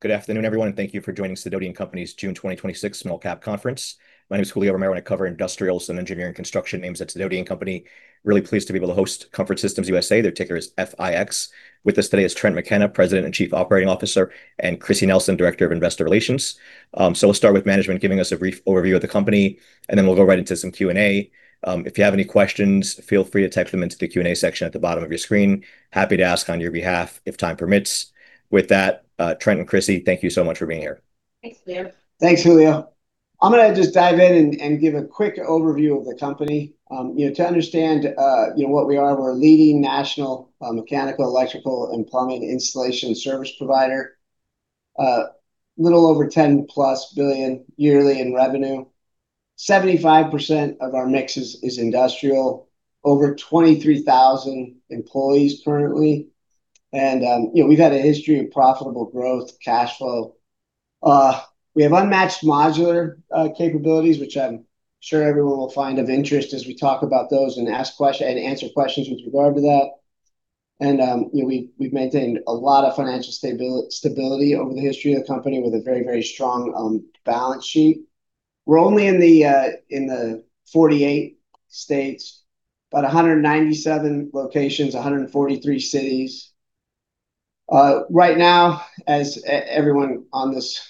Good afternoon, everyone, and thank you for joining Sidoti & Company's June 2026 Small Cap Conference. My name is Julio Romero, and I cover industrials and engineering construction names at Sidoti & Company. Really pleased to be able to host Comfort Systems USA. Their ticker is FIX. With us today is Trent McKenna, President and Chief Operating Officer, and Chrissy Nelson, Director of Investor Relations. We'll start with management giving us a brief overview of the company, and then we'll go right into some Q&A. If you have any questions, feel free to type them into the Q&A section at the bottom of your screen. Happy to ask on your behalf if time permits. With that, Trent and Chrissy, thank you so much for being here. Thanks, Julio. Thanks, Julio. I'm going to just dive in and give a quick overview of the company. To understand what we are, we're a leading national mechanical, electrical and plumbing installation service provider. Little over $10 billion yearly in revenue, 75% of our mix is industrial. Over 23,000 employees currently. We've had a history of profitable growth, cash flow. We have unmatched modular capabilities, which I'm sure everyone will find of interest as we talk about those and answer questions with regard to that. We've maintained a lot of financial stability over the history of the company with a very strong balance sheet. We're only in the 48 states, about 197 locations, 143 cities. Right now, as everyone on this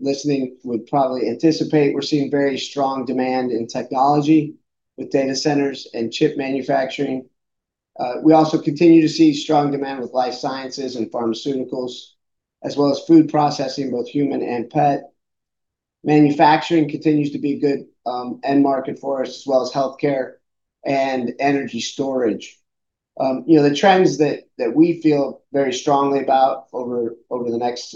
listening would probably anticipate, we're seeing very strong demand in technology with data centers and chip manufacturing. We also continue to see strong demand with life sciences and pharmaceuticals as well as food processing, both human and pet. Manufacturing continues to be a good end market for us, as well as healthcare and energy storage. The trends that we feel very strongly about over the next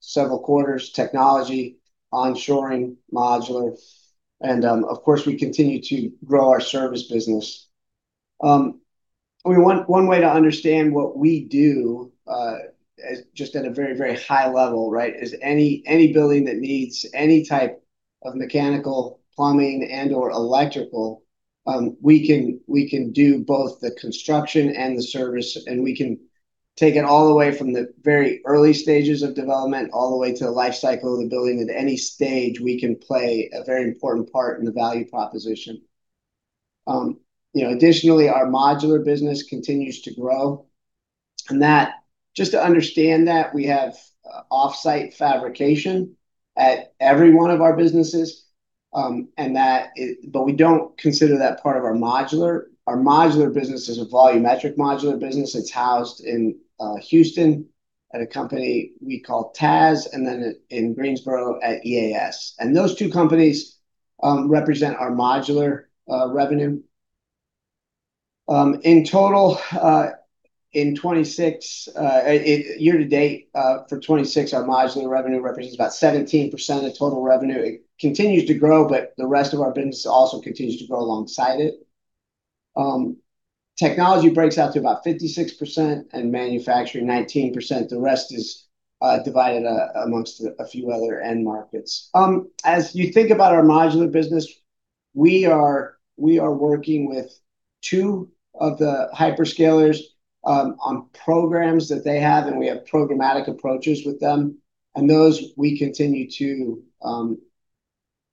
several quarters, technology, onshoring, modular, and of course, we continue to grow our service business. One way to understand what we do, just at a very high level, is any building that needs any type of mechanical, plumbing, and/or electrical, we can do both the construction and the service, and we can take it all the way from the very early stages of development all the way to the life cycle of the building. At any stage, we can play a very important part in the value proposition. Additionally, our modular business continues to grow. Just to understand that, we have offsite fabrication at every one of our businesses, but we don't consider that part of our modular. Our modular business is a volumetric modular business. It's housed in Houston at a company we call TAS, then in Greensboro at EAS. Those two companies represent our modular revenue. In total, year to date for 2026, our modular revenue represents about 17% of total revenue. It continues to grow, but the rest of our business also continues to grow alongside it. Technology breaks out to about 56%, manufacturing 19%. The rest is divided amongst a few other end markets. As you think about our modular business, we are working with two of the hyperscalers on programs that they have. We have programmatic approaches with them. Those we continue to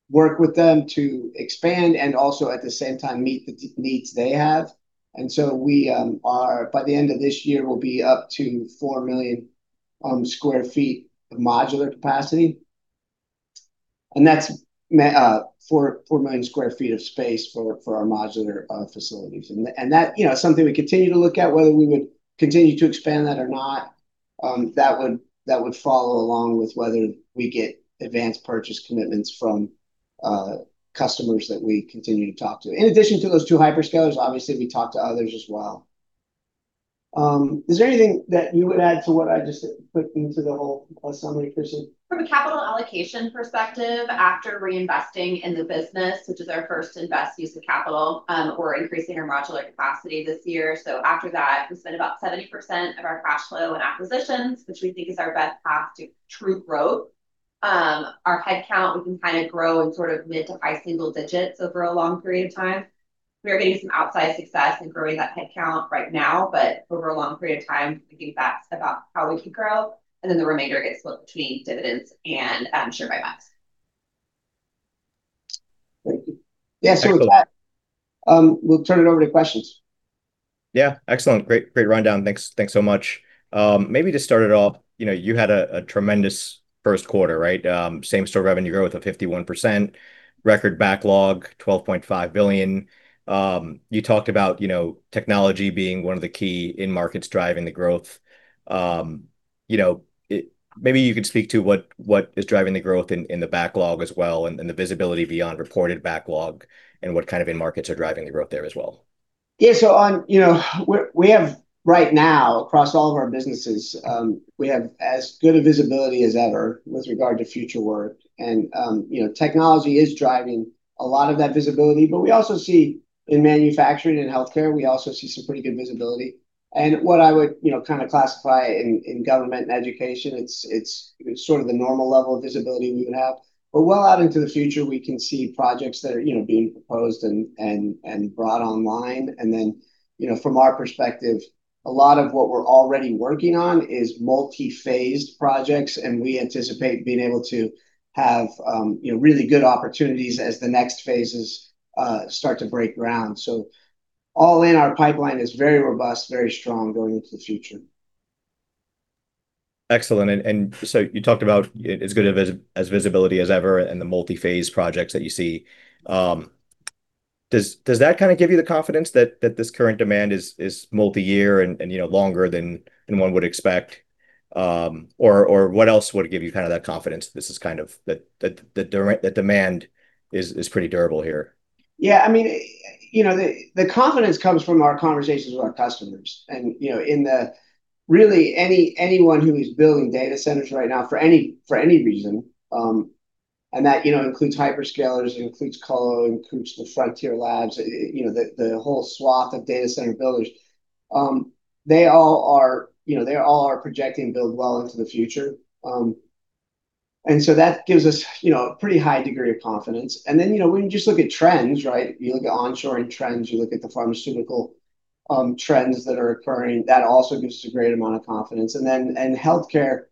work with them to expand and also at the same time meet the needs they have. By the end of this year, we'll be up to 4 million square feet of modular capacity, that's 4 million square feet of space for our modular facilities. That is something we continue to look at, whether we would continue to expand that or not. That would follow along with whether we get advance purchase commitments from customers that we continue to talk to. In addition to those two hyperscalers, obviously we talk to others as well. Is there anything that you would add to what I just put into the whole summary, Chrissy? From a capital allocation perspective, after reinvesting in the business, which is our first and best use of capital, we're increasing our modular capacity this year. After that, we spend about 70% of our cash flow in acquisitions, which we think is our best path to true growth. Our headcount, we can grow in mid to high single digits over a long period of time. We are getting some outsized success in growing that headcount right now, but over a long period of time, I think that's about how we can grow, the remainder gets split between dividends and share buybacks. Thank you. With that, we'll turn it over to questions. Excellent. Great rundown. Thanks so much. Maybe to start it off, you had a tremendous first quarter, same-store revenue growth of 51%, record backlog, $12.5 billion. You talked about technology being one of the key end markets driving the growth. Maybe you could speak to what is driving the growth in the backlog as well, and the visibility beyond reported backlog, and what kind of end markets are driving the growth there as well. Right now, across all of our businesses, we have as good a visibility as ever with regard to future work. Technology is driving a lot of that visibility. We also see in manufacturing and healthcare, we also see some pretty good visibility. What I would kind of classify in government and education, it's sort of the normal level of visibility we would have. Well out into the future, we can see projects that are being proposed and brought online. From our perspective, a lot of what we're already working on is multi-phased projects, and we anticipate being able to have really good opportunities as the next phases start to break ground. All in, our pipeline is very robust, very strong going into the future. Excellent. You talked about as good as visibility as ever and the multi-phase projects that you see. Does that kind of give you the confidence that this current demand is multi-year and longer than one would expect? What else would give you that confidence that demand is pretty durable here? The confidence comes from our conversations with our customers. Really anyone who is building data centers right now for any reason, and that includes hyperscalers, includes colo, includes the frontier labs, the whole swath of data center builders. They all are projecting build well into the future. That gives us a pretty high degree of confidence. When you just look at trends, right, you look at onshoring trends, you look at the pharmaceutical trends that are occurring, that also gives us a great amount of confidence. In healthcare,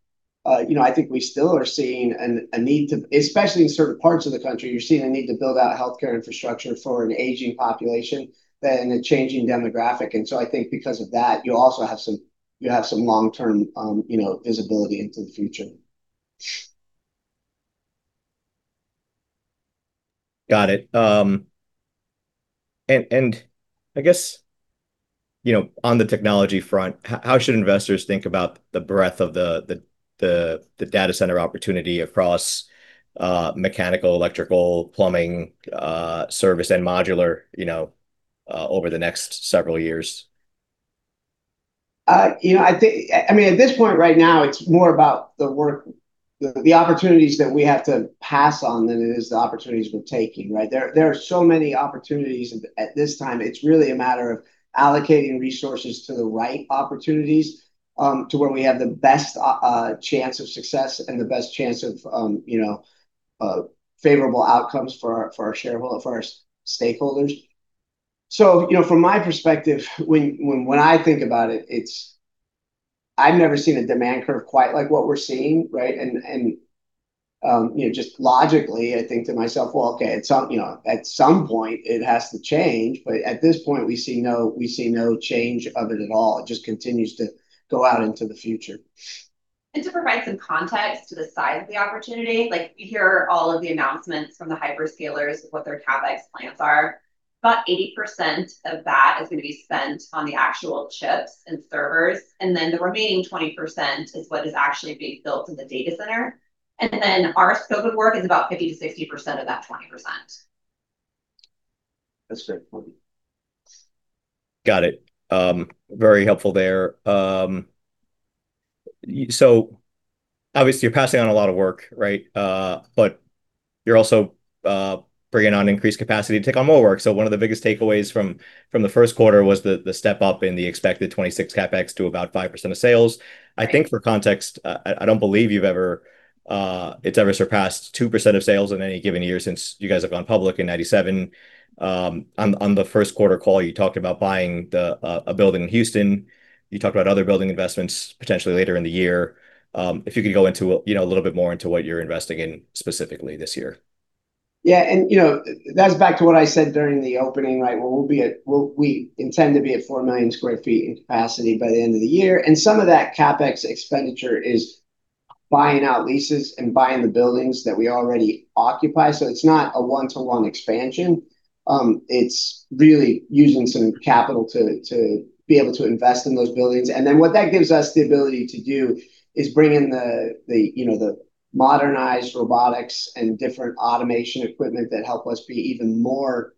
I think we still are seeing a need to, especially in certain parts of the country, you're seeing a need to build out healthcare infrastructure for an aging population, then a changing demographic. I think because of that, you also have some long-term visibility into the future. Got it. I guess, on the technology front, how should investors think about the breadth of the data center opportunity across mechanical, electrical, plumbing, service, and modular over the next several years? At this point right now, it's more about the work, the opportunities that we have to pass on than it is the opportunities we're taking, right? There are so many opportunities at this time, it's really a matter of allocating resources to the right opportunities, to where we have the best chance of success and the best chance of favorable outcomes for our shareholders, for our stakeholders. From my perspective, when I think about it, I've never seen a demand curve quite like what we're seeing, right? Just logically, I think to myself, "Well, okay, at some point it has to change," but at this point, we see no change of it at all. It just continues to go out into the future. To provide some context to the size of the opportunity, like you hear all of the announcements from the hyperscalers of what their CapEx plans are. About 80% of that is going to be spent on the actual chips and servers, then the remaining 20% is what is actually being built in the data center. Then our scope of work is about 50%-60% of that 20%. That's correct, 40. Got it. Very helpful there. Obviously you're passing on a lot of work, right? But you're also bringing on increased capacity to take on more work. One of the biggest takeaways from the first quarter was the step-up in the expected 2026 CapEx to about 5% of sales. Right. I think for context, I don't believe it's ever surpassed 2% of sales in any given year since you guys have gone public in 1997. On the first quarter call, you talked about buying a building in Houston. You talked about other building investments potentially later in the year. If you could go a little bit more into what you're investing in specifically this year. That's back to what I said during the opening, right? We intend to be at 4 million square feet in capacity by the end of the year, and some of that CapEx expenditure is buying out leases and buying the buildings that we already occupy. It's not a one-to-one expansion. It's really using some capital to be able to invest in those buildings. Then what that gives us the ability to do is bring in the modernized robotics and different automation equipment that help us be even more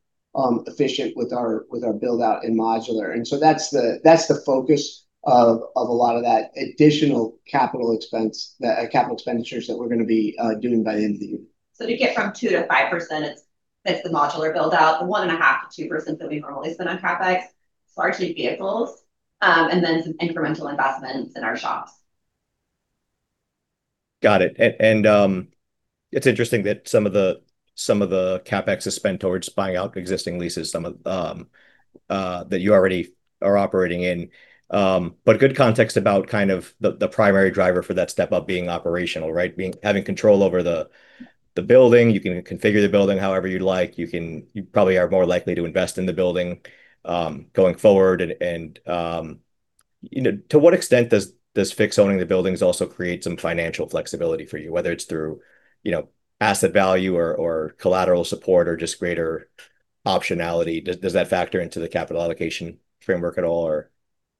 efficient with our build-out in modular. That's the focus of a lot of that additional capital expenditures that we're going to be doing by the end of the year. To get from 2%-5%, it's the modular build-out, the 1.5%-2% that we've normally spent on CapEx, largely vehicles, then some incremental investments in our shops. Got it. It's interesting that some of the CapEx is spent towards buying out existing leases, some of them that you already are operating in. Good context about the primary driver for that step-up being operational, right? Having control over the building. You can configure the building however you'd like. You probably are more likely to invest in the building, going forward. To what extent does fixing the buildings also create some financial flexibility for you, whether it's through asset value or collateral support or just greater optionality? Does that factor into the capital allocation framework at all or?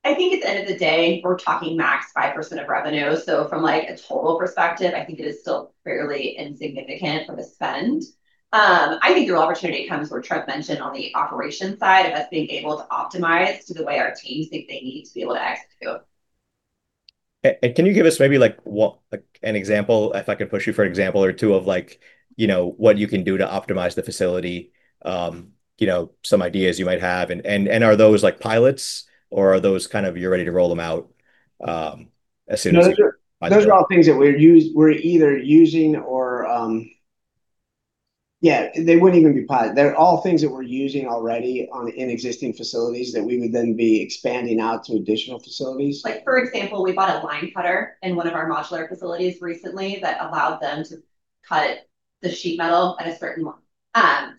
I think at the end of the day, we're talking max 5% of revenue. From like a total perspective, I think it is still fairly insignificant of a spend. I think your opportunity comes where Trent mentioned on the operations side of us being able to optimize to the way our teams think they need to be able to execute Can you give us maybe an example, if I could push you for an example or two of what you can do to optimize the facility, some ideas you might have. Are those pilots, or are those kind of you're ready to roll them out as soon as you- Those are all things that we're either using or Yeah, they wouldn't even be pilot. They're all things that we're using already in existing facilities that we would then be expanding out to additional facilities. Like, for example, we bought a line cutter in one of our modular facilities recently that allowed them to cut the sheet metal at a certain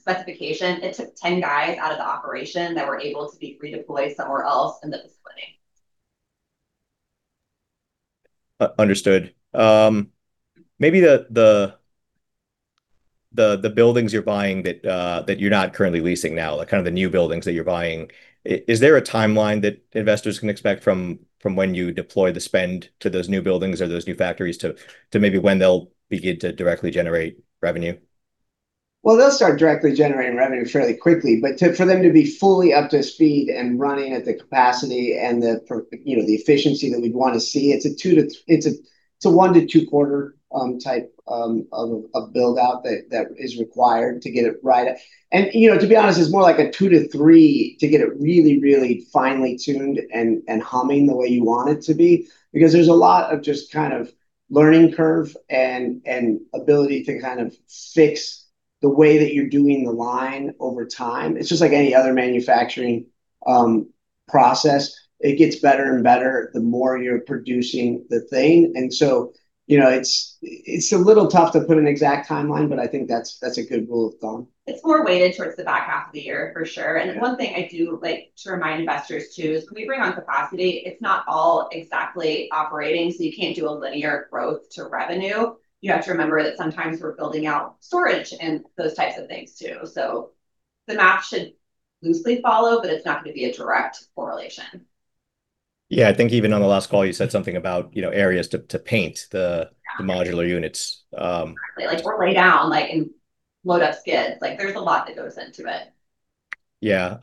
specification. It took 10 guys out of the operation that were able to be redeployed somewhere else in the facility. Understood. Maybe the buildings you're buying that you're not currently leasing now, like, kind of the new buildings that you're buying, is there a timeline that investors can expect from when you deploy the spend to those new buildings or those new factories to maybe when they'll begin to directly generate revenue? Well, they'll start directly generating revenue fairly quickly. For them to be fully up to speed and running at the capacity and the efficiency that we'd want to see, it's a one to two-quarter type of build-out that is required to get it right. To be honest, it's more like a two to three to get it really finely tuned and humming the way you want it to be, because there's a lot of just kind of learning curve and ability to kind of fix the way that you're doing the line over time. It's just like any other manufacturing process. It gets better and better the more you're producing the thing. It's a little tough to put an exact timeline, but I think that's a good rule of thumb. It's more weighted towards the back half of the year, for sure. Yeah. One thing I do like to remind investors too is, when we bring on capacity, it's not all exactly operating, so you can't do a linear growth to revenue. You have to remember that sometimes we're building out storage and those types of things too. The math should loosely follow, but it's not going to be a direct correlation. I think even on the last call, you said something about areas to paint. Yeah The modular units. Exactly. Like, or lay down and load up skids. There's a lot that goes into it. Yeah.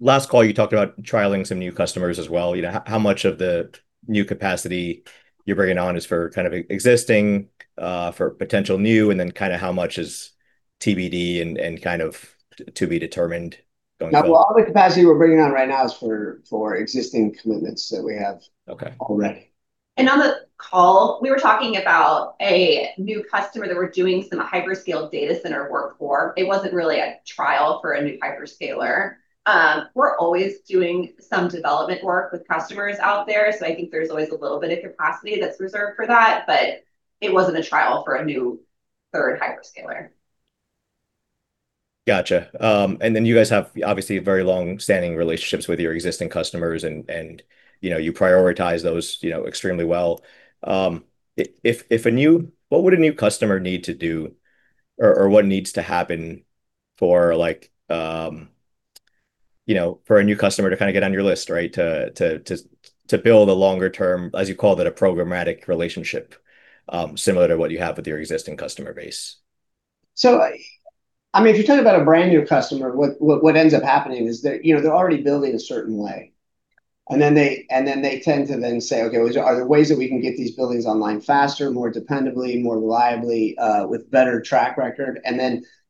Last call, you talked about trialing some new customers as well. How much of the new capacity you're bringing on is for kind of existing, for potential new, and then kind of how much is TBD and kind of to be determined going forward? No, all the capacity we're bringing on right now is for existing commitments that we have- Okay already. On the call, we were talking about a new customer that we're doing some hyperscale data center work for. It wasn't really a trial for a new hyperscaler. We're always doing some development work with customers out there, I think there's always a little bit of capacity that's reserved for that. It wasn't a trial for a new third hyperscaler. Got you. You guys have obviously very long-standing relationships with your existing customers and you prioritize those extremely well. What would a new customer need to do, or what needs to happen for a new customer to kind of get on your list, right, to build a longer term, as you called it, a programmatic relationship, similar to what you have with your existing customer base? If you're talking about a brand new customer, what ends up happening is that they're already building a certain way. They tend to then say, "Okay, are there ways that we can get these buildings online faster, more dependably, more reliably, with better track record?"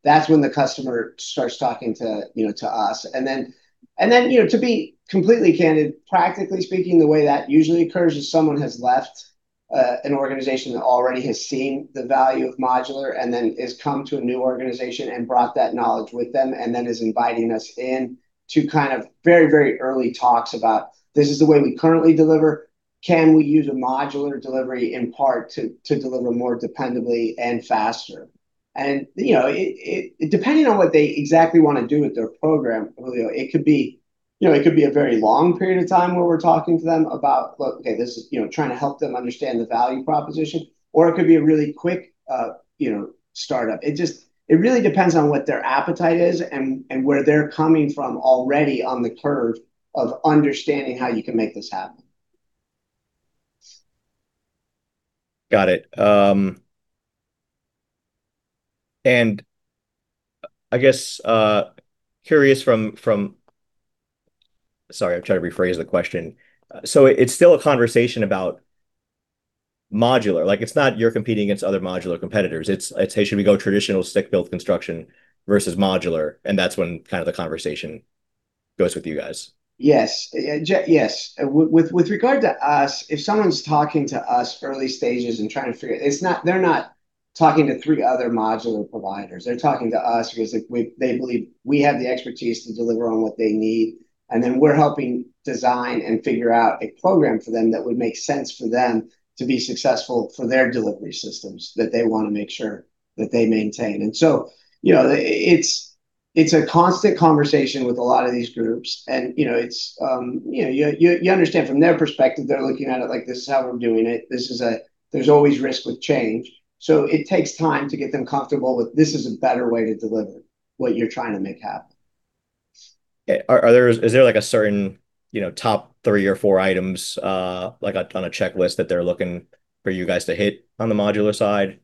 That's when the customer starts talking to us. To be completely candid, practically speaking, the way that usually occurs is someone has left an organization that already has seen the value of modular, has come to a new organization and brought that knowledge with them, is inviting us in to kind of very early talks about, "This is the way we currently deliver. Can we use a modular delivery in part to deliver more dependably and faster?" Depending on what they exactly want to do with their program, it could be a very long period of time where we're talking to them about, "Look, okay," trying to help them understand the value proposition, or it could be a really quick startup. It really depends on what their appetite is and where they're coming from already on the curve of understanding how you can make this happen. Got it. I guess, curious from Sorry, I'll try to rephrase the question. It's still a conversation about modular. It's not you're competing against other modular competitors. It's, "Hey, should we go traditional stick-built construction versus modular?" That's when kind of the conversation goes with you guys. Yes. With regard to us, if someone's talking to us early stages and trying to figure it, they're not talking to three other modular providers. They're talking to us because they believe we have the expertise to deliver on what they need, we're helping design and figure out a program for them that would make sense for them to be successful for their delivery systems that they want to make sure that they maintain. It's a constant conversation with a lot of these groups. You understand from their perspective, they're looking at it like, "This is how we're doing it." There's always risk with change, so it takes time to get them comfortable with this is a better way to deliver what you're trying to make happen. Is there a certain top three or four items on a checklist that they're looking for you guys to hit on the modular side?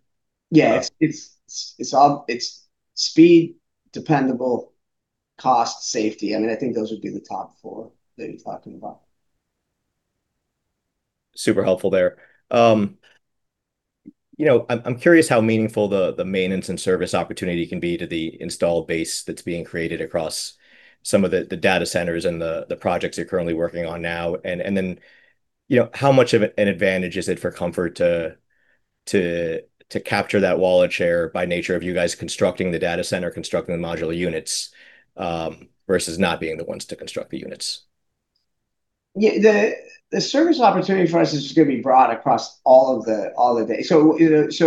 Yeah. It's speed, dependable cost, safety. I think those would be the top four that you're talking about. Super helpful there. I'm curious how meaningful the maintenance and service opportunity can be to the install base that's being created across some of the data centers and the projects you're currently working on now. How much of an advantage is it for Comfort to capture that wallet share by nature of you guys constructing the data center, constructing the modular units, versus not being the ones to construct the units? Yeah. The service opportunity for us is just going to be broad. It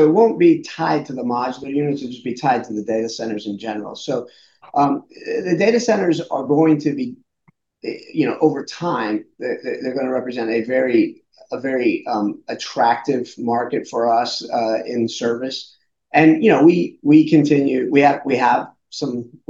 won't be tied to the modular units, it'll just be tied to the data centers in general. The data centers are going to be, over time, they're going to represent a very attractive market for us in service. We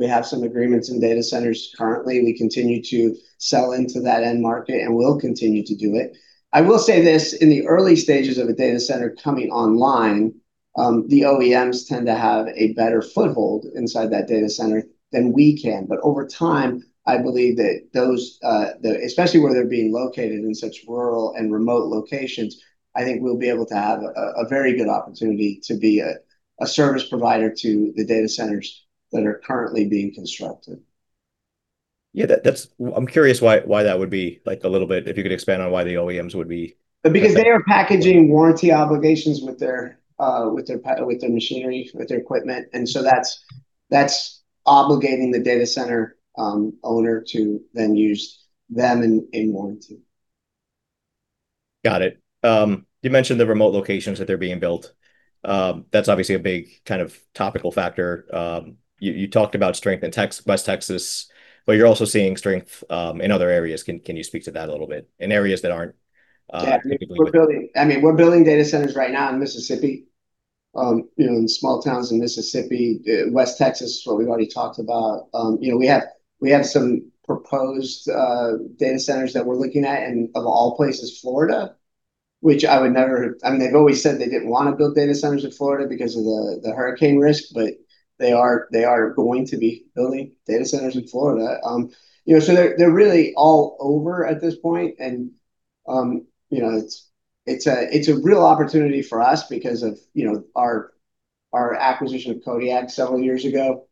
have some agreements in data centers currently. We continue to sell into that end market and will continue to do it. I will say this, in the early stages of a data center coming online, the OEMs tend to have a better foothold inside that data center than we can. Over time, I believe that those, especially where they're being located in such rural and remote locations, I think we'll be able to have a very good opportunity to be a service provider to the data centers that are currently being constructed. Yeah. I'm curious why that would be, a little bit, if you could expand on why the OEMs would be. They are packaging warranty obligations with their machinery, with their equipment, and so that's obligating the data center owner to then use them in warranty. Got it. You mentioned the remote locations that they're being built. That's obviously a big kind of topical factor. You talked about strength in West Texas, but you're also seeing strength in other areas. Can you speak to that a little bit? In areas that aren't. Yeah. We're building data centers right now in Mississippi, in small towns in Mississippi. West Texas is what we've already talked about. We have some proposed data centers that we're looking at in, of all places, Florida. They've always said they didn't want to build data centers in Florida because of the hurricane risk, but they are going to be building data centers in Florida. They're really all over at this point, and it's a real opportunity for us because of our acquisition of Kodiak several years ago,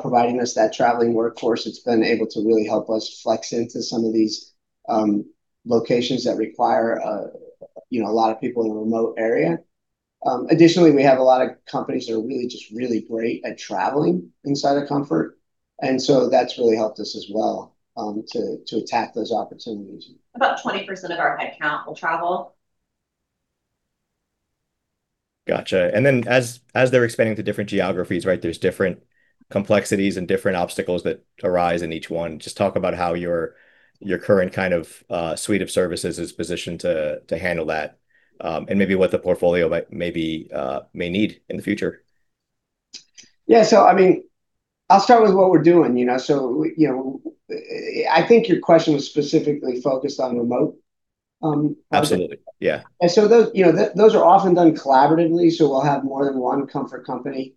providing us that traveling workforce that's been able to really help us flex into some of these locations that require a lot of people in a remote area. Additionally, we have a lot of companies that are really just really great at traveling inside of Comfort, and so that's really helped us as well, to attack those opportunities. About 20% of our headcount will travel. Got you. As they're expanding to different geographies, right? There's different complexities and different obstacles that arise in each one. Just talk about how your current kind of suite of services is positioned to handle that, and maybe what the portfolio may need in the future. I'll start with what we're doing. I think your question was specifically focused on remote. Absolutely. Yeah. Those are often done collaboratively, so we'll have more than one Comfort company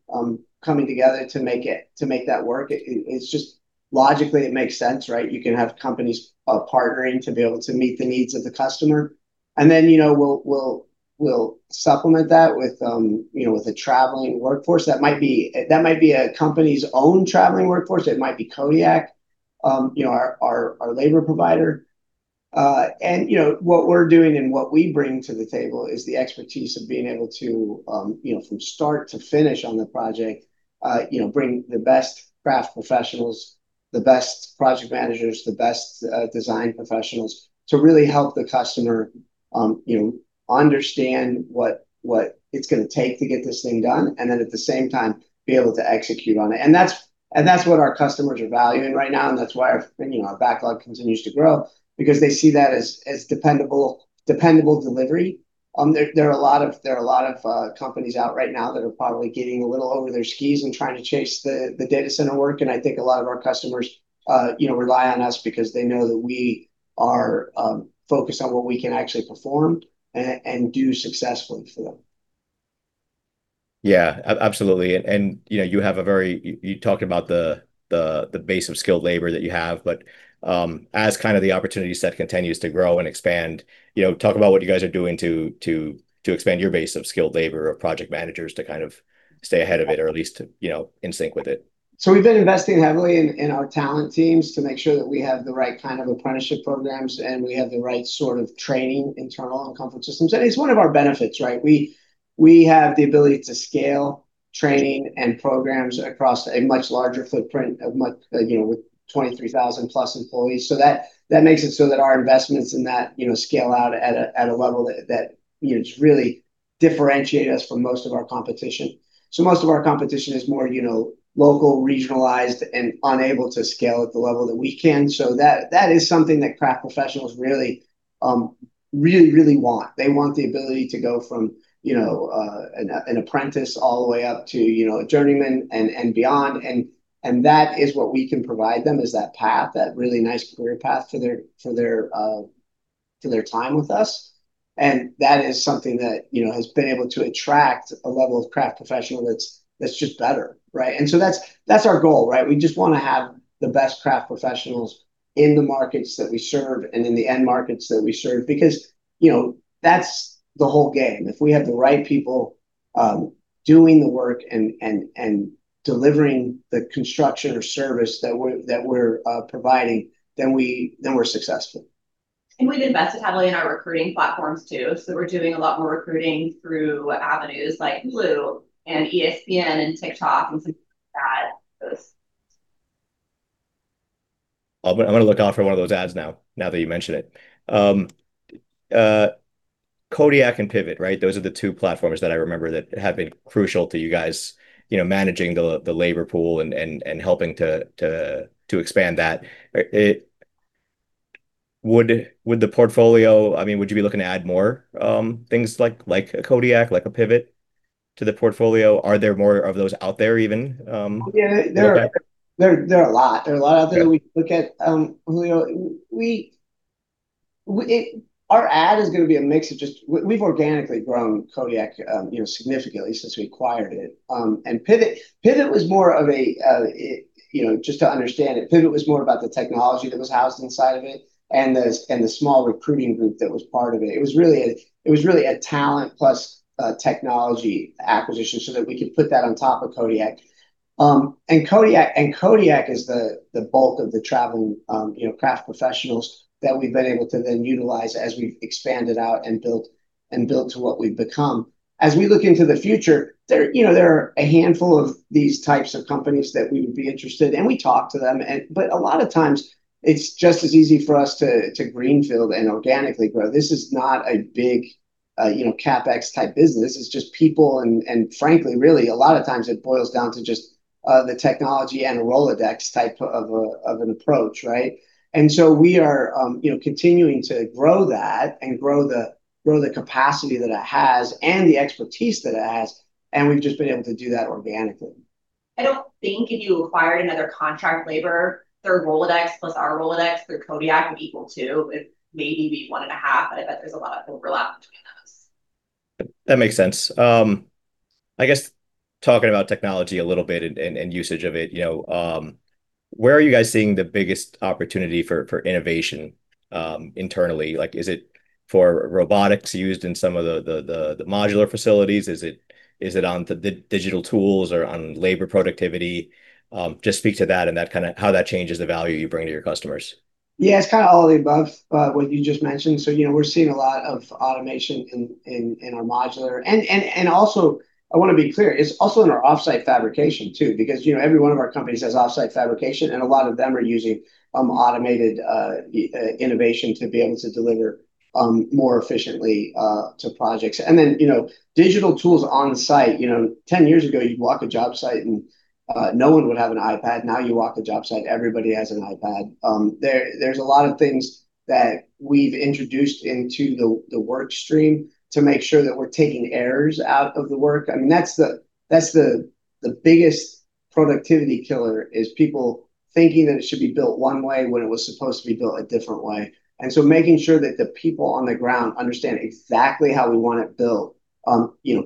coming together to make that work. It's just logically it makes sense, right? You can have companies partnering to be able to meet the needs of the customer. Then, we'll supplement that with a traveling workforce. That might be a company's own traveling workforce. It might be Kodiak, our labor provider. What we're doing and what we bring to the table is the expertise of being able to, from start to finish on the project, bring the best craft professionals, the best project managers, the best design professionals to really help the customer understand what it's going to take to get this thing done, and then at the same time, be able to execute on it. That's what our customers are valuing right now, and that's why our backlog continues to grow, because they see that as dependable delivery. There are a lot of companies out right now that are probably getting a little over their skis and trying to chase the data center work, I think a lot of our customers rely on us because they know that we are focused on what we can actually perform and do successfully for them. Yeah. Absolutely. You talked about the base of skilled labor that you have, but as kind of the opportunity set continues to grow and expand, talk about what you guys are doing to expand your base of skilled labor or project managers to kind of stay ahead of it, or at least in sync with it. We've been investing heavily in our talent teams to make sure that we have the right kind of apprenticeship programs and we have the right sort of training internal in Comfort Systems. It's one of our benefits, right? We have the ability to scale training and programs across a much larger footprint with 23,000+ employees. That makes it so that our investments in that scale out at a level that it's really differentiated us from most of our competition. Most of our competition is more local, regionalized, and unable to scale at the level that we can. That is something that craft professionals really want. They want the ability to go from an apprentice all the way up to a journeyman and beyond. That is what we can provide them is that path, that really nice career path to their time with us. That is something that has been able to attract a level of craft professional that's just better. Right? That's our goal, right? We just want to have the best craft professionals in the markets that we serve and in the end markets that we serve because that's the whole game. If we have the right people doing the work and delivering the construction or service that we're providing, then we're successful. We've invested heavily in our recruiting platforms, too. We're doing a lot more recruiting through avenues like BlueRecruit and ESPN and TikTok and some ad posts. I'm going to look out for one of those ads now that you mention it. Kodiak and Pivot, right? Those are the two platforms that I remember that have been crucial to you guys managing the labor pool and helping to expand that. Would the portfolio, would you be looking to add more things like a Kodiak, like a Pivot to the portfolio? Are there more of those out there even? Yeah. There are a lot out there. Our ad is going to be a mix of just, we've organically grown Kodiak significantly since we acquired it. Pivot was more of a, just to understand it, Pivot was more about the technology that was housed inside of it and the small recruiting group that was part of it. It was really a talent plus technology acquisition so that we could put that on top of Kodiak. Kodiak is the bulk of the traveling craft professionals that we've been able to then utilize as we've expanded out and built to what we've become. As we look into the future, there are a handful of these types of companies that we would be interested, and we talk to them, but a lot of times it's just as easy for us to greenfield and organically grow. This is not a big CapEx type business. It's just people, and frankly, really, a lot of times it boils down to just the technology and Rolodex type of an approach, right? We are continuing to grow that and grow the capacity that it has and the expertise that it has, and we've just been able to do that organically. I don't think if you acquired another contract labor, their Rolodex plus our Rolodex through Kodiak would equal two. It'd maybe be one and a half, but I bet there's a lot of overlap between those. That makes sense. I guess talking about technology a little bit and usage of it, where are you guys seeing the biggest opportunity for innovation internally? Is it for robotics used in some of the modular facilities? Is it on the digital tools or on labor productivity? Just speak to that and how that changes the value you bring to your customers. Yeah, it's all of the above, what you just mentioned. We're seeing a lot of automation in our modular. I want to be clear, it's also in our offsite fabrication, too, because every one of our companies has offsite fabrication, and a lot of them are using automated innovation to be able to deliver more efficiently to projects. Digital tools on site. 10 years ago, you'd walk a job site, and no one would have an iPad. Now you walk a job site, everybody has an iPad. There's a lot of things that we've introduced into the work stream to make sure that we're taking errors out of the work. That's the biggest productivity killer is people thinking that it should be built one way when it was supposed to be built a different way. Making sure that the people on the ground understand exactly how we want it built,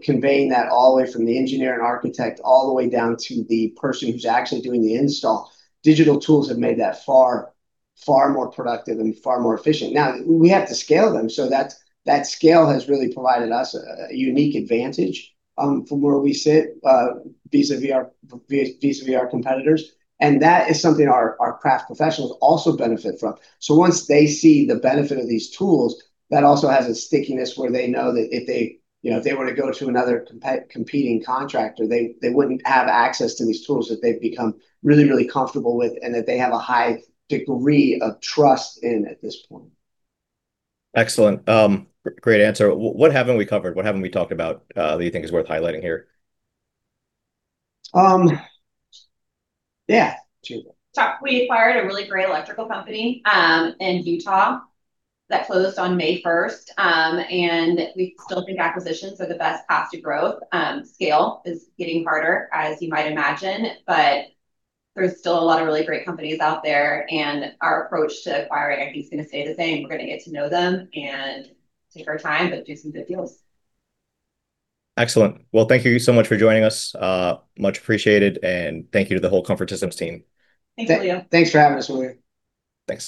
conveying that all the way from the engineer and architect, all the way down to the person who's actually doing the install. Digital tools have made that far more productive and far more efficient. We have to scale them, so that scale has really provided us a unique advantage, from where we sit, vis-a-vis our competitors. That is something our craft professionals also benefit from. Once they see the benefit of these tools, that also has a stickiness where they know that if they were to go to another competing contractor, they wouldn't have access to these tools that they've become really, really comfortable with and that they have a high degree of trust in at this point. Excellent. Great answer. What haven't we covered? What haven't we talked about that you think is worth highlighting here? Yeah. We acquired a really great electrical company in Utah that closed on May 1st. We still think acquisitions are the best path to growth. Scale is getting harder, as you might imagine, there's still a lot of really great companies out there, our approach to acquiring, I think, is going to stay the same. We're going to get to know them and take our time, do some good deals. Excellent. Well, thank you so much for joining us. Much appreciated, thank you to the whole Comfort Systems team. Thanks, Julio. Thanks for having us, Julio. Thanks.